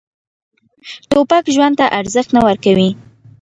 توپک ژوند ته ارزښت نه ورکوي.